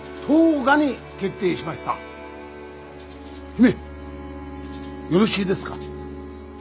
姫よろしいですか？